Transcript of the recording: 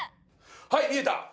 はい見えた！